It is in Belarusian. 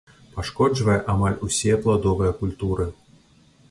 Пашкоджвае амаль усе пладовыя культуры.